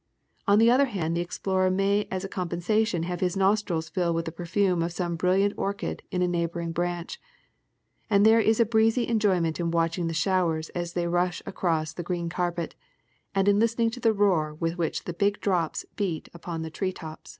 On the other hand the explorer may as a com pensation have his nostrils filled with the perfume of some bril liant oi'chid on a neighboring branch ; and there is a breezy enjoyment in watching the showers as they rush across the green carpet, and in listening to the roar with which the big drops beat upon the tree tops.